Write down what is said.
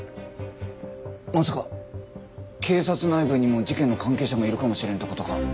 まさか警察内部にも事件の関係者がいるかもしれんって事か？